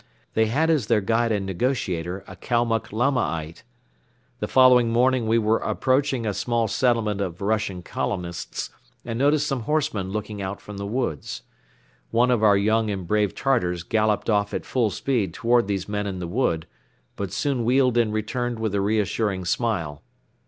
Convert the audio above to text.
They had as their guide and negotiator a Kalmuck Lamaite. The following morning we were approaching a small settlement of Russian colonists and noticed some horsemen looking out from the woods. One of our young and brave Tartars galloped off at full speed toward these men in the wood but soon wheeled and returned with a reassuring smile.